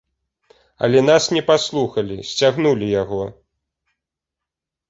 Але нас не паслухалі, сцягнулі яго.